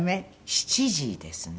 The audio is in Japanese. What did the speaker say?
７時ですね。